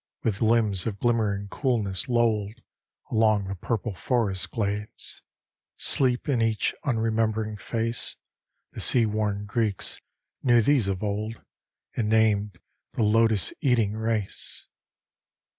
With limbs of glimmering coolness lolled Along the purple forest glades: Sleep in each unremembering face, The sea worn Greeks knew these of old, And named "the lotus eating race."